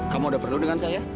kamu udah perlu dengan saya